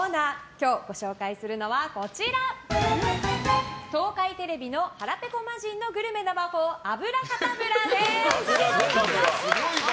今日ご紹介するのは東海テレビの「腹ペコ魔人のグルメな魔法脂過多ブラ」です。